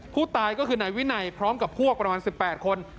ผู้ตายก็คือในวินัยพร้อมกับพวกประมาณสิบแปดคน